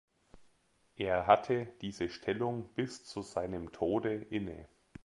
Er hatte diese Stellung bis zu seinem Tode inne.